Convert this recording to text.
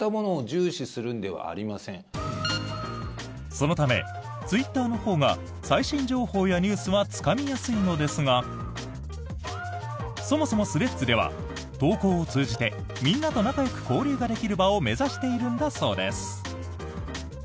そのためツイッターのほうが最新情報やニュースはつかみやすいのですがそもそもスレッズでは投稿を通じてみんなと仲よく交流ができる場を目指しているんだそうです。